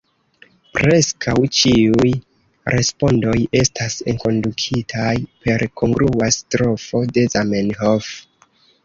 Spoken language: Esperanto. Preskaŭ ĉiuj respondoj estas enkondukitaj per kongrua strofo de Zamenhof.